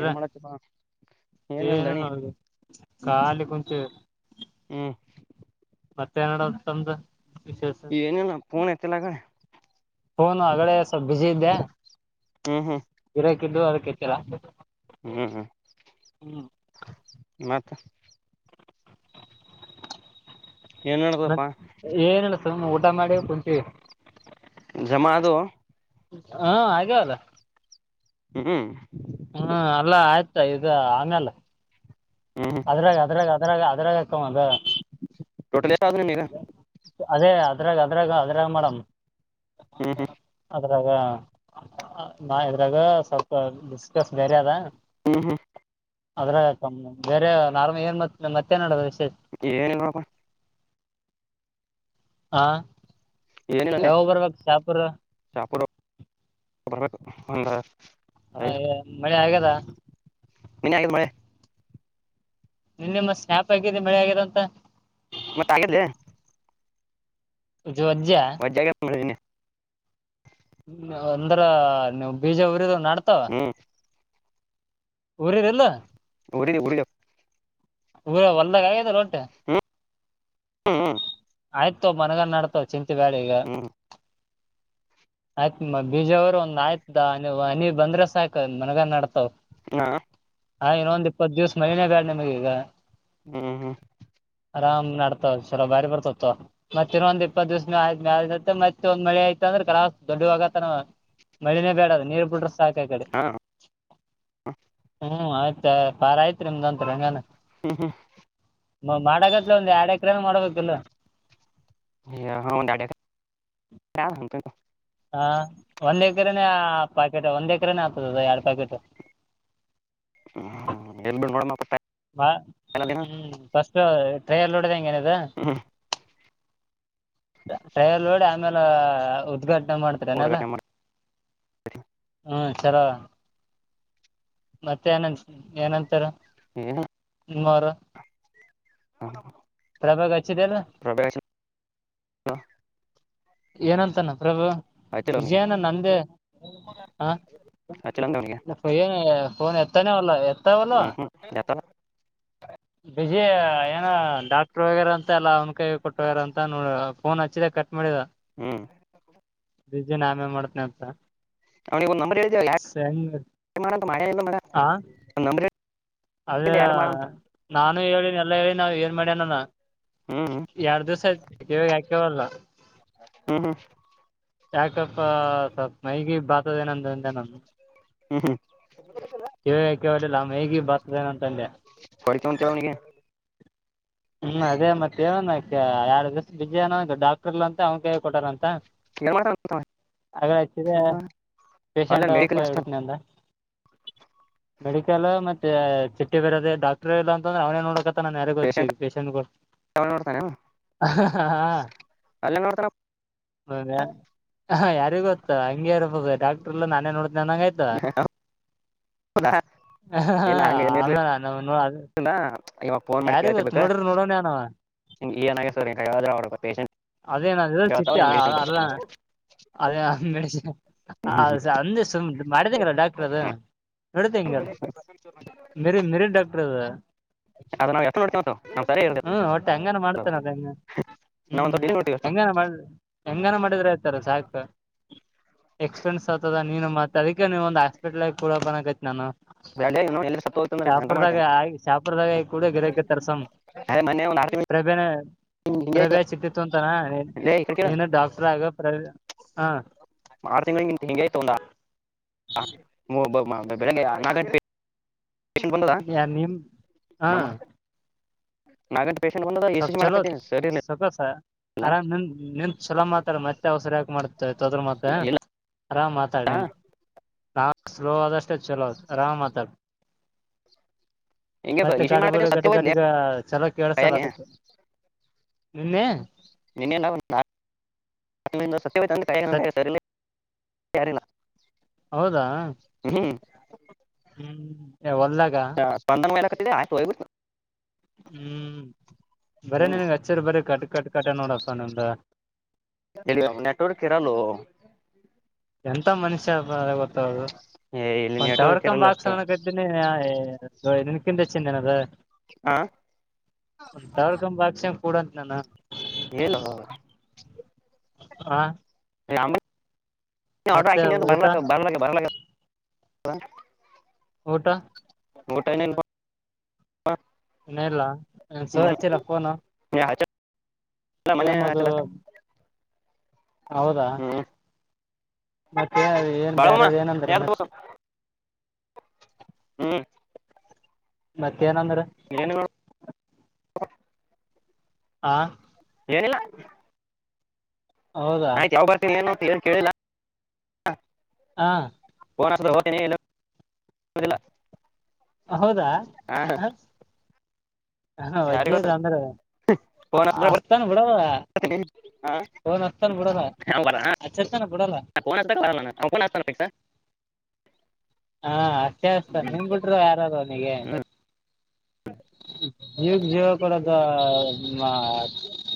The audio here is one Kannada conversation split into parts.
ಏನ್ ಮಾಡನತಾ ಏನ ನದು ಖಾಲಿ ಕೊಂಚೆ ಹ್ ಮತ್ತೆನ್ನಡ ತಂದ ವಿಶೇಷ ಪುಣ ಎತ್ತಲ್ಲಾಗಡೆೆ ಫೋನು ಆಗಡೆ ಸ್ವಲ್ಪ ಬುಿಸ ಇದ್ದೆ ಹ್ಮ್ ಹ್ಮ್ ಇದರಕ ಇದು ಕ ಚಲ್ಲ ಹ್ಮ್ ಹ್ಮ್ ಮತ್ತುತ್ತ ಏನ್ ನಡದಪ್ಪಾ ಮತ್ತ ಏನ್ಸ ಊಟ ಮಾಡಿ ಕುಂಚಿ ಜಮಾದು ಹಾ ಹಾಗಲ್ಲ ಹ್ಮ್ ಹ್ಮ ಅಲ್ಲ ಆಯ್ತಾ ಇದು ಆಮೇಲೆ ಹ್ಮ್ ಹ್ಮ್ ಅದ್ರಾಗ ಅದ್ರಾಗ ಅದ್ರಾಗ ಅದ್ರಾಗಕ್ಕ ಅದು ಟೋಟಲ್ ಎಷ್ಟ ಆದ ನಿಮಗ ಅದೇ ಅದ್ರಾಗ ಅದ್ರಾಗ ಅದ್ರಾಗ ಮೇಡಮ್ ಹ್ಮ್ ಹ್ಮ್ ಇದ್ರಾಗ ನ ಇದ್ರಾಗ ಸ್ವಲ್ಪ ಡಿಸ್ಕಸ್ ಬೇರೆ ಅದ ಹ್ಮ್ ಹ್ಮ್ ಅದ್ರ ಕಮ್ಮ ಬೇರೆ ನಾರ್ಮ ಏನ್ ಮ ಮತ್ತೇನ್ಡ ಏನಲ್ರುವಪ್ಪ ಹಾ ಏನಿಲ್ಲ ಅಂದೆ ಯಾವ ಬರ್ಬೇಕ ಶಾಪುರ ಅಂದ ಹಾ ಮಳೆ ಆಗದಾ ಮನ ಆಗಿದ ಮಳೆ ನಿನ್ನ ನಿಮ್ಮಾಪ ಆಗಿದೆ ಮಳೆ ಆಗ್ಯದ ಅಂತ ಮತ್ತೆ ಆಗಿದ್ದೆ ಅಜ್ಜ ಮಜ್ಜಾಗ ನಿದೀನನೆ ಅಂದ್ರ ನೀವು್ ಬೀಜ ಉರಿದ ನಡ್ತಾವ ಹ್ಮ್ ಊರಿರೆಲ್ಲ ಊಡಿ ಊರಿಯ ಊರ ಹೊಲ್ದಾಗ ಆಗ್ಯದಲ್ಲ ಹೊಂಟೆ ಹ್ಮ್ ಹ್ಮ್ ಹ್ಮ ಆಯ್ತು ಮನಗ ನಡ್ತಾವ ಚಿಂತ ಬ್ಯಾಳ ಈಗ ಹ್ಮ್ ಆಯ್ತ್ ಬೀಜವರುಂದ ಆಯ್ತ ಮನಿ ಬಂದ್ರೆ ಸಾಕ ಮನ್ಗನ್ ನಡ್ತಾವ್ ಹಾ ಹಾ ಇನ್ನೊಂದ್ ಇಪ್ಪತ್ತು ದಿವ್ಸ ಮನನೇ ಬೇಡ ನಿಮ್ಗೆ ಈಗ ಹ್ಮ್ ಹ್ಮ್ ಆರಾಮ್ ನಡ್ತಾವ್ ಚಲ ಬಾರಿ ಬರ್ತಾವ ಮತ್ತ ಇದ್ ಇಪ್ಪತ್ ದಿವಸ ಮ ಮತ್ತ ಮತ್ತೆ ಒಂದ ಮಳೆ ಆಯ್ತಂದ್ರ ಕಲ ದೊಡ್ಡ ಹೋಗತನ ಮಳನೇ ಬೇಡ ಅದು ನೀರ್ ಬಿಡ್ರ ಸಾಕ ಕಡೆ ಹಾ ಹ್ಮ್ ಆಯ್ತಾ ಪಾರ ಆಯ್ತ್ರಿ ನಿಮ್ದತ್ಂಗಾನ ಹ್ಮ್ ಹ್ಮ್ ಮಾಡಕತ್ ಒಂದ್ ಎರಡ್ ಎಕರೆನ ಮಾಡ್ಬೇಕಲ್ ಹ ಹ ದಾಡ ಹಾ ಒಂದ್ ಎಕರೆನೆ ಪ್ಯಾಕೆಟ್ ಒಂದ್ ಎಕರೆನೆ ಆತದದ ಎರಡ್ ಪ್ಯಾಕೆಟ್ ಹ್ಮ ಎಲ್ಬಡ್ಟ್ ಮಡ ಮಾ ಅ ಹ ಟ್ರಲ ಎ ಹಾ ಟೈರ್ ಲೋಡಿ ಆಮೇಲೆ ಉದ್ಘಾಟನೆ ಊಟ ಮಾಡ್ತರನಲ್ಲ ಓದಗಟ್ಟ ಮಾಡಿ ಹ್ಮ ಚಲೋ ಮತ್ತೆ ಏನ ಏನಂತಾರ ಹ್ಮ ರ ಹಾ ಪ್ರಭಾಗ ಹಚ್ಚಿದೆ ಅಲ್ಲ ಏನಂತ ನಮ್ಮ ಪ್ರಭು ಹಚ್ಚಿಲ್ಲ ಅವನಿಗೆ ವಿಜಯನ ನಂದೇ ಹ ಹಚ್ಚಿಲ್ಲ ಅಂದ ಅವನಿಗೆ ಏನ್ ಫೋನ್ ಎತ್ತಾನೇವಲ್ಲ ಎ ಹ್ಮ್ ಹ್ಮ್ ಎತ್ತಲ್ಲ ಬಜ ನ ಕೊಟ್ಟೋಗ್ಯಾರ ಅಂತ ಎಲ್ಲ ಅವ್ನ ಕೈ ಕೊಟ್ಟೋಗಾರ ಅಂತ ನೋಡ ಫೋನ್ ಹಚ್ಚಿದ ಕಟ್ ಮಾಡಿದ ಹ್ಮ್ ಬಿಜನ್ ಆಮೆಲ್ ಮಾಡ್ತನ ಅಂತ ಅವನಿಗೆ ಒ ನಂಬರ್ ಹೇಳವ ಹೆಂಗ್ ಆ [unintelligible] ಅದೇ ನಾನು ಹೇಳಿ ಎಲ್ಲ ಹೇಳಿ ನಾವ ಏನ್ ಮಾಡಿ ಅನಾನ ಹ್ಮ್ ಹ್ಮ್ ಎರಡ್ ದಿವ್ಸ ಆಯ್ತ ಕಿವ್ಯಾಗಕ್ಯವಲ್ಲ ಹ್ಮ ಹ್ಮ್ ಯಾಕಪ್ಪ ಸ್ವಲ್ಪ ಮೈಗಿ ಬಾತದೇಏನಂದಂತೆ ನಾನು ಹ್ಮ್ ಹ್ಮ್ ಕೇವಿಗಕ್ಯ ಹೊಲ್ಲ ಮೈ ಗಿಯ ಬರ್ತದೇನ ಅಂತಂದೆ ಹೊಡಿತ ಒನ್ಂತವ ನಿಗೆ ಹ್ಮ್ ಅದೇ ಮತ್ತೆವ ಎರಡು ದಿವಸ ಬಿಜಯನ ಡಾಕ್ಟರ್ಲ್ಲ ಅಂತ ಅವ್ನ ಕೈ ಕೊಟಾರಂತ ಏನ್ ಮಾಡ್ತಾನ ಆಗಳೆ ಹಚ್ಚಿದೆ ಅಲ್ಲ ಪೇಶಂಟ್ಪ್ಪ ಮೆಡಿಕಲ್ ಅಷ್ಟಲ್ ಇಡತನಿ ಅಂದ ಮೆಡಿಕಲ್ ಮತ್ತೆ ಚಿಟ್ಟಿ ಬರದದೆ ಡಾಕ್ಟರ್ ಇಲ್ಲ ಅಂತಂದ್ರೆ ಅವನೇನ್ ನೋಡಕತ್ತ ನ ಯಾರ ಪೇಷಂಟ್ ಗಳು ನೋಡ್ತಾನೆ ಕೊ ಹ ಅಲ್ಲೇ ನೋಡ್ತಾನ ಹೌದ ಹ ಯಾರಿಗ ಗೊತ್ತ ಹಂಗೆ ಇರ್ಬದೆ ಡಾಕ್ಟ್ರಲ್ಲ ನಾನೇ ನೋಡ ನನಂಗಾಯ್ತ ಹಾ ಇಲ್ಲ ಹಂಗ ಏನಿರ್ಲಿಲ್ಲ ಆಮೇಲೆ ನಾ ನೋಡ ಇವಾಗ ಫೋನ್ ಮಾಡಿಕ್ ಕೇಳ್ತಿಬೇಕಾ [unintelligible] ಏನಾಗರ್ ಹೇಳ್ರಡ ಪೇಷೆಂಟ್ ಅದೇನ ಚಿತ್ತ ಅಲ್ಲ ಅಣ್ಣ ಅದೇ ಮೆಡಿಸನ್ ಹ ಅಂದ ಸು ಮಾಡತಗೆಲ್ಲ ಡಾಕ್ಟರ್ ಅದು ನಡಿತಂಗದು ಮೇರೆ ಮೇರೆನಾ ಡಾಕ್ಟರ್ ದು ಅದ ನಾವ್ ಎಷ್ಟ ನೋಡ್ತೀವ ಅಂತ ನಮ್ ಸರಿ ಇರ್ತದೆ ಹ್ಮ್ ಹೊಟ್ಟೆ ಹಂಗಾನ ಮಾಡ್ತೇನೆ ಅದ ಹೆಂಗ ನಾವಂತ ಹ್ಮ್ ಡೈಲಿ ನೋಡ್ತೀವಿ ಅಷ್ಟ ಹೆಂಗ ಮಾಡ ಹೆಂಗನ ಮಾಡಿದ್ರೆ ಆತಾರ ಸಾಕು ಎಕ್ಸ್ಪೀರೆನ್ಸ್ ಆಗ್ತದ ನೀನು ಸದಕ್ಕೆ ನೀವ ಒಂದ್ ಹಾಸ್ಪಿಟ್ಲ್ ಕೂಡ ಬಕೈತಿ ನಾನು ಬ್ಯಾಡ ಇನ್ನು ಎಲ್ಲಿ ಸತ್ತು ಹೋಯ್ತಂದ್ರೆ ಎಂತ ಶಾಪುರದಾಗ ಮಾಡ್ತೇನೆ ಆಗಿ ಶಾಪುರದಾಗ ಕೂಡ ಗಿದಕ್ಕೆ ತರ್ಸಂ ಅದೇ ಮೊನ್ನೆ ಒಂದ್ ಆರ್ ತಿಂಗಳು ಪ್ರಭೆನ ಹಿಂಗೆ ಆಯ್ತು ಪ್ರಭೆ ಚಿತ್ತಿತ್ತು ಅಂತಾನ ಲೇ ಈ ಕಡೆ ಕೇಳು ನೀನು ಡಾಕ್ಟರ್ ಆಗೋ ಪ್ರ [unintelligible] ಆರ್ ತಿಂಗಳಂತ ಹೆಂಗೈಗತೊಂಡ [unintelligible] ಹ [unintelligible] ನಿಮ್ ಹಾ ನಾನ್ ಪೇಷಂಟ್ ಬಂದ ಎ ಸಿ ಜಿ ಮಾಡ್ಕತಿನಿ ಸರ್ ಸತಸ ಆರಾಮ್ ನಿನ್ ನಿನ್ ಚಛಲೋ ಮಾತಾಡ ಮತ್ತೆ ಅವಸರ ಯಾಕ ಮಾಡತ ತೋದ್ರ ಮತ್ತೆ ಇಲ್ಲ ಆರಾಮ್ ಮಾತಾಡೇನ್ ನಾ ಸ್ಲೋ ಆದಷ್ಟೆ ಚಲೋ ಆರಾಮ ಮಾತ ಹಿಂಗೆ ಮತ್ತೆ ಇ ಸಿ ಜಿ ಕಡುಬಡು ಮಾಡಕತ್ತೀನಿ ಸತ್ಯ ಹೋಯ್ತ್ಲೆ ಗಡ್ಗಡಿಗ ಚಲೋ ಕೇಳಳ್ಸಲ್ಲ ಕೈಯಾಗೆ ಅದಕ್ [inaudible] ನಿನ್ನೆ ನಿನ್ನೆ ನ ಸವಾಯ ಸತ್ ಸರಿ [unintelligible] ಯಾರಿಲ್ಲ ಹೌದಾ ಹ್ಮ್ ಹ್ಮ್ ಹೊಲ್ದಾಗ ಆತ [unintelligible] ಹ್ಮ್ ಬರ ಹ್ಮ್ ನನ್ಗ್ ಹಚ್ಚರ್ ಬರ ಕಟ್ ಕಟ್ ಕಟ ನೋಡಪ್ಪ ನಿಮ್ದ ನೆಟವರ್ಕ ಎರಲ್ಲೋ ಎಂತ ಮನುಷ್ಯ ಗೊತ್ತಾಗದು ಏ ಇಲ್ಲಿ ಒಂದು ಟವರ್ ನೆಟ್ವರ್ಕ್ ಕಂಬ ಇರಲ್ಲ ಅಷ್ಟು ಹಾಕ್ಸೋಂದಿನಿ ನಿನಕಿಂತ ಹೆಚ್ಚಿದ ಅದು ಹಾ ಒಂದು ಟವರ್ ಕಂಬ ಹಾಕಸುಕೋಡು ಅಂತೀನಿ ನೀನು ಹೇಳು ಹಾ ಆಕೆಂದಿತ್ತು ಊಟ ಬರ್ಲಾಕತ ಬ ರಲೇಗೆದ ಬರಲೇಗೆದ ಊಟಾ ಊಟ ಇನ್ನ ಇಲ್ಲಪ್ಪ ಇನ ಇಲ್ಲ ಸರ್ ಹಚ್ಚಿಲ್ಲ ಫೋನು ಹ್ಮ್ ಹಚ್ಚಲ್ಲ ಮನೆ ಸೇಮ್ ಅದು ಹಚ್ಚದ ಹೌದಾ ಹ್ಮ್ ಮತ್ತೆ ಏನ್ ಬಾಳಮ್ಮ ಬ್ಯಾರೆದ ಏನಂದ್ರ ನಿರ ಮತ್ ದೋಸ ಹ್ಮ್ ಮತ್ತೆ ಏನಂದ್ರ ಹ್ಯ ಹಾ ಏನಿಲ್ಲಾ ಹೌದಾ ಆಯ್ತು ಯಾವಾಗ ಬರ್ತ್ ಏನು ಕೇಳಿಲ್ಲ [inaudible] ಹಾ ಫೋನ್ ಹಚ್ಚಿದ್ರ ಹೋತ್ನಿ, ಇಲ್ಲಿ ಕಂದ್ರೆ ಇಲ್ಲ ಹೌದಾ ಹಾ ಹ ಯಾರಿಗ್ ವೈಜೈತ್ ಗೊತ್ತು ಅಂದ್ರೆ ಫೋನ್ ಹಚ್ಚಿದ್ರ ಬರ್ ಅಸ್ತಾನ ಬಿಡದದು ಹಾ ಫೋನ್ ಹಚ್ಚತಾನ ಬಿಡಲ್ಲ ಅವ್ನ್ ಬರ ಹಚ್ಚಿರುತಾನ ಬಿಡಲ್ಲ ಹಾ ಫೋನ್ ಅಚ್ಚಕ್ ಬರಲ್ಲಅವನು ಒಬ್ಬನೆ ಹಚ್ತಾನೆ ಫಿಕ್ಸಾ ಹಾ ಅಚ್ಚೆ ಅಚ್ಚ ತಾನೆ ನಿನ್ ಬಿಟರು ಯಾರಾರೂ ಅವನಿಗೆ ಹ್ಮ್ ಜೀವಕ್ ಜೀವ ಕೊಡೋದು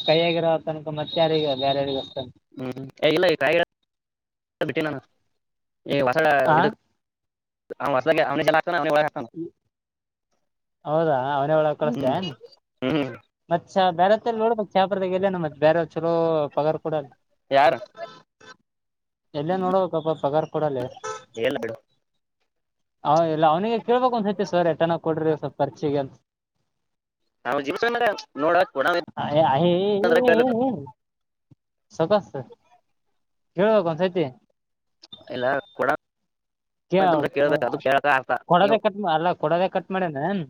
ಕೈಯಗಿರೋ ಮತ್ತೆ ಯಾರಗಿ ಅದು ಯಾರರಗಿ ಅಚ್ತಾನ್ ಹ್ಮ್ ಈ ಇಲ್ಲ ಯಾರರಗಿ ಬಿಟ್ಟ ನೆ ನಾನು ಈ ಹೊಸದ ಆ ಇದು [inaudible] ಜ ಅವನೇ ಜಗಳ ಆಡ್ತಾನೆಅವನೇ ಒಳ ಹಾಕ್ತಾನೆ [inaudible] ಹೌದಾ ಅವನ ಒಳಗೆ ಕಳಸ್ತೇನು ಹ್ಮ್ ಚ ಬೇರೆ ನೋಡ ಕ್ಯಾಮೆರಾದಾಗ ಎಲ್ಲೆನೆ ಮತ್ ಬ್ಯಾರೇದ್ ಚಲೋ ದು ಪಗಾರ ಕೊಡಲಿ ಯಾರು ಎಲ್ಲೇ ನೋಡಬೇಕಪ್ಪ ಪಗಾರ್ ಕೊಡಲ್ಲಿ ಇಲ್ಲ ಬಿಡು ಹ ಇಲ್ಲ ಅವ್ನಿಗೆ ಕೇಳ್ಬೇಕಕ್ ಒಂದು ಸರತಿ ಸರ್ ಎಟನ ಕೊಡ್ರಿ ಸ್ವಲ್ಪ ಕರ್ಚಿಗೆ ಅಂತ ಅವನು ಜಿಬ್ಬ ಮಾರಾಯ ನೋಡಕ್ಕೆ ಬಿಡದ ಸುಖಸ ಕೇಳಬೇಕು ಒಂದು ಸರ್ತಿ ಇಲ್ಲ ಕೊಡಂತ ಹೆ ನೀವು ಕೊಡದೆ ಕಟ್ ಅದರಗ ಕೊಡದೆ ಕಟ್ ಮಾಡ್ಯನನ್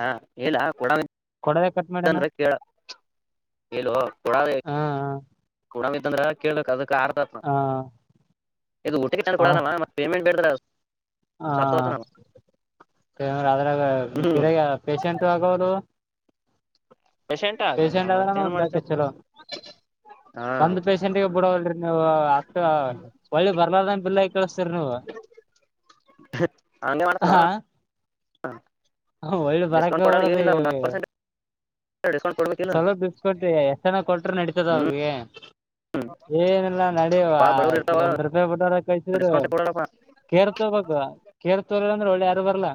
ಹಾ ಇಲ್ಲ ಕೊಡದು ಕಟ್ ಮಾಡ್ಯಾನ ತಂದ್ರ ಕೇಳು ಕೇಳೋ ಕೊಡಾದ ಹಾ ಕೊಡಂಗಿತ್ತಂದ್ರ ಕೇಳ್ಬೇಕ್ ಅದಕ್ ಆತ ದ್ ಹಾ ಇದು ಊಟಿಕ್ಕೆ ತಂದು ಕೊಡಲಲ್ಲಾ ಮತ್ತ ಪೇಮೆಂಟ್ [inaudible] ಸತ್ತೋತ ಹಂ ನಾವು ಅದ್ರಾಗ ಹ್ಮ್ ಗಿರಗ್ ಪೇಶೆಂಟ್ ಆಗೋದು ಪೇಶೆಂಟ್ ಆಗಲ್ಲ ಪೇೇಶೆಂಟ್ ಆದ್ರನು ಮತ್ತೇನ್ ಒಂದ್ ಸಾರಥಿ ಮಾಡ್ತೇಪ್ಪ ಚಲೋ ಹಾ ಒಂದ್ ಪೇಷೆಂಟ್ಗೆ ಬಿಡಲ್ರಿ ನೀವು ಅಷ್ಟ ಒಳ್ಳಿ ಬರ್ಲಾರದಂಗೆಬಿಲ ಕಳಸ್ತೀ ವು ಹಂಗೆ ಮಾಡ್ತಾನ ಹಾ ಹ ಒಳ್ಳೆ ಬರಕ್ಕೆ ಡಿಸ್ಕೌಂಟ್ ಕೊಡಲ್ಲ ಹೋಗಬಾರದು ಏನಿಲ್ಲ ಒಂದ್ ಹತ್ತು ಇವರಿಗೆ ಪರ್ಸೆಂಟ್ ಡಿಸ್ಕೌಂಟ್ ಒಂದು ಕೊಡ್ಬೇಕಿಲ್ಲ ಸಲ ಬಿಲ್ ಕಟ್ರಿ ಎಷ್ಟ ಜನ ಕೊಟ್ರ ನಡತದ ಹ್ಮ್ ಅವಿರಿಗೆ ಏನಲ್ಲ ನಡಿ ಬಾ ಬಡವರು ಇರ್ತಾವ ಒಂದ್ ರೂಪಾಯಿ ಬಿಟ್ಟಾರ ಕೈಸಿದ್ರರು ಡಿಸ್ಕೌಂಟ್ ಕೊಡಲ್ಲಪ್ಪಾ ಕೇರ್ ತಗೋಬೇಕು ಕೇರ್ ತಗೊಳ್ಳಿಲ್ಲ ಅಂದ್ರೆ ಒಳ್ಳೆ ಯಾರು ಬರ್ಲ್ಲಾ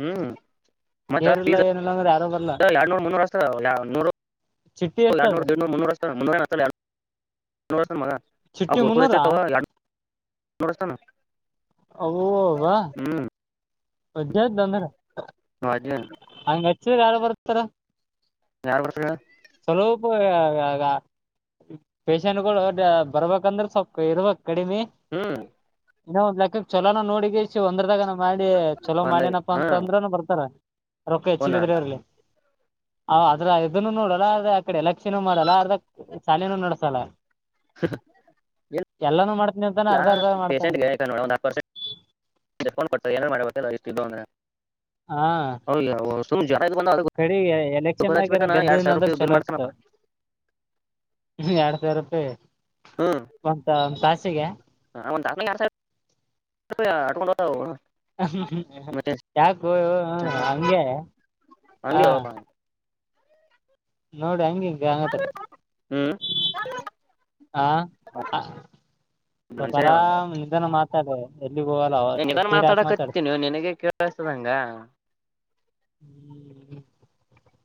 ಹ್ಮ್ ಮತ್ತ ಕೇರ್ ಇಲ್ಲ ಫೀಸ್ ಏನಲ್ಲಂದ್ರ ಯಾರು ಬರಲ್ಲ ಎರಡ್ನೂರ್ ಮುನ್ನೂರುರಷ್ಟ ನೂ ಚಿಟ್ಟಿ ಎಷ್ಟ ಅದ ಎಡುನೂರು ನೂರೂ ಮುೂರಷ್ಟ [inaudible] ಹ ಮೂನ್ನೂರ ಏನ್ ಅಚ್ಚಲ ಎರಡನೂರ ಆಚ್ಚತನ ಮಗ [inaudible] ಹ ಚಿಟ್ಟಿ ಗುಲ್ಕೋಜ ಮುನ್ನೂರ ಹಚ್ಚಿರ್ತವಾ ಮಗ ಎರಡು ಮೂರು ಅಚ್ಚತನ [inaudible] ವಾ ವಜ್ಜ್ದ ಅಂದ್ರ ಅಜ್ಜಿ ಹಂಗ ಹಚ್ಚಿದ ಯಾರು ಬರ್ತಾರ ಯಾರ್ ಬರ್ತರ ಪೇಷಂಟ್ಗಳು ಬರ್ಬೇಕಂದ್ರೆ ಸೊಪ್ಪು ಇರ್ಬೇಕು ಕಡಿಮೆ ಹ್ಮ್ ಇನ್ನೊ ಒಂದ್ ಲೆಕ್ಕಕ್ ಚಲೋನ ನೋಡಗ ಒಂದ್ರದಾಗನ ಮಾಡಿ ಎೋ ಒಂದ್ ಮಾಡೇನಪ್ಪಾ ಹಾ ಅಂತ ಅಂದ್ರನು ಬರ್ತಾರ ರೊಕ್ಕ ಒನ್ ಹೆಚ್ಚಗಿದ್ರಿ ಇರ್ಲಿ ಹ ಅದ್ರ ಇದನ್ನು ನೋಡಲ್ಲ ಅ ಆ ಕಡೆ ಎಲ್ಲ ಪಕ್ಷ ಮಾಡಲ್ಲ ಅರ್ದ ಶಾಲೆನೂ ನಡಸಲ್ಲ ಎಲ್ಲಾನ ಮಾಡ ಇಲ್ಲ ಪೇಷಂಟ್ಗೆ ಒಂದ್ ಆತ್ ಪರ್ಸೆಂಟ್ [unintelligible] ಮಾಡ್ರ [unintelligible] ಹಾ ಸುಮ್ ಜ್ವರ ಇದು ಬಂದ ಕಡೆ ಅದಕ್ಕೆ ಹಚ್ಚಿ ಎಲೆಕ್ಷನ್ದಾಗಏ ಬಿಡ್ತಾನ ಎರಡ್ ಸಾವಿರ ದ್ದನಂದ್ರ ರೂಪಾಯಿ ಬಿಲ್ ಚಲೋ ಇತ ಮಾಡ್ತಾನಪ್ಪ ಎರಡ್ ಸಾವಿರ ರೂಪಾಯಿ ಹ್ಮ್ ಒಂತ ಒ ಸಾಸಿಗೆ [inaudible] ಅಕೊಂಡ ಹ ಯಾಕು ಹ್ಮ ಹಂಗೆ ಹಾ ಹಂಗೆ ನೋಡಿ ಹಂಗಿ ಹಗೆ ಹ್ಮ್ [unintelligible] ಹಾ [inaudible] ಸ್ವಲ್ಪ ಮನುಷ್ಯ ಆರಾಮ್ ನಿಧನ ಮಾತಾಡ ಎಲ್ಲಿಗ ಹೋಗಲ್ಲ ಅವ ಚೀಡೆ ಯಾಕ್ ಮಾತಾಡ್. ಬಸದಂಗ ಹ್ಮ್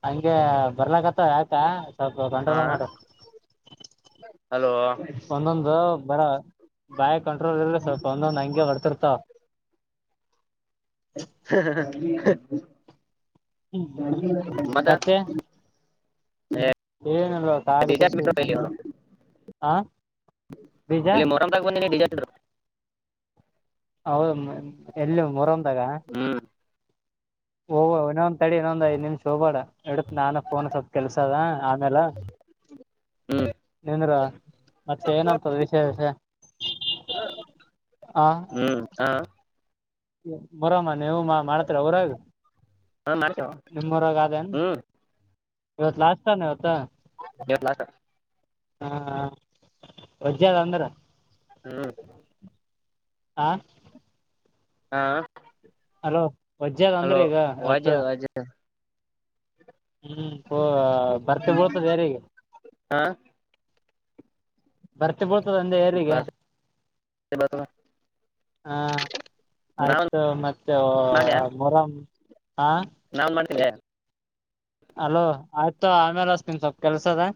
ಹಂಗೆ ಬರ್ಲಕ್ಕತ್ತ ಆಯ್ತಾ ಸ್ವಲ್ಪ ಹಾ ಕಂಟ್ರೋಲ ಮಾಡ ಹಲೋ ಒಂದೊಂದು ಬರ ಬಾಯ ಕಂಟ್ರೋಲ್ ಇರ ಸ್ವಲ್ಪ ಒಂದೊಂದ್ ಹಂಗೆ ಹೊಡ್ತಿರ್ತಾವ [unintelligible] ಹ [unintelligible] [inaudible] ಮತ್ತ ಏ ಏನ ಕಾಲ ಡಿಜೆ ಕು ಹಚ್ಬಿಟ್ರಪ್ಪ ಇಲ್ಲಿ ಇವ್ರು ಹ ಬೀಜ ಇಲ್ಲಿ ಮೊಹರಂದಾಗ ಬಂದಿನಿ ಡಿಜೆ ಹಚ್ಚಿದ್ರು ಹೌದು ಎಲ್ಲಿ ಮೋರಂದಾಗ ಹ್ಮ್ ಓಏನ ಸಡಿ ಇನ್ನೊಂದ್ ಐದ್ ನಿಮಿಷ ಹೋಗಬೇಡ ಇಡಕ್ ನಾನ ಫೋನ್ ಸ್ವಲ್ಪ ಕೆಲ್ಸ ಅದ ಆಮೇಲೆ. ಹ್ಮ್ ನಿಂದ್ರ ಮತ್ತೆ ಏನಂತದ ವಿಷಯ ವಿಷಯ. ಹ್ಮ್ ಹ. [unintelligible] ನೀವು ಮಾಡತ್ರಿ ಊರಾಗ ಹಾ ಮಾಡ್ತೇವ ನಿಮ್ಮರಾಗ ಅನ್. ಹ್ಮ್ ಇವತ್ ಲಾಸ್ಟ್ ತನ್ ಇವತ್ತು. ಹಡ್ ಲಾಖ ಹಾ ವಜ್ಜದ ಅಂದ್ರ. ಹ್ಮ್ ಹಾ ಹಾ ವಜ್ಜೆ ಅದ ಅಂದ್ರ ಹಲೋ ಈಗ ಇವತ್ತು ವಾಜದ ವಾಜೆ. ಹ್ಮ್ ಹ ಬರ್ತ ಬಳ್ತ ಬೇರೆಗೆ. ಹಾ ಬರ್ತಿ ಬಡ್ತದ ಅಂದೆ ಯಾರಿಗೆ. ಬರ್ತ ಹಾ ನಾವ್ ಆಯ್ತು ಮತ್ತೆ ಮೊರಂ. ಹ ನಾನ್ ಮಾಡ್ತೆ ಅಲೋ ಆಯ್ತೋ ಆಮೇಲೆಸ್ತನ್ ಸ್ವಲ್ಪ ಕೆಲ್ಸದ.